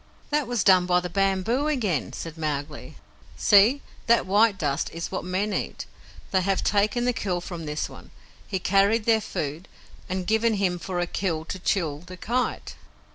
"That was done by the bamboo again," said Mowgli. "See! that white dust is what men eat. They have taken the kill from this one, he carried their food, and given him for a kill to Chil, the Kite."